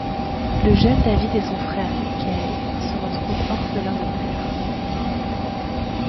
Le jeune David et son frère Michael se retrouvent orphelins de père.